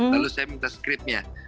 lalu saya minta skripnya